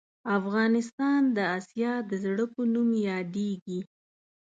افغانستان د اسیا د زړه په نوم یادیږې